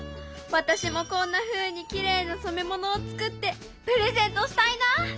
私もこんなふうにきれいな染め物を作ってプレゼントしたいな！